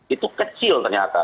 itu kecil ternyata